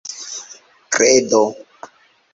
kredo